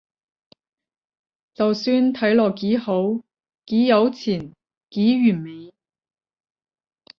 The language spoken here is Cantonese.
就算睇落幾好，幾有錢，幾完美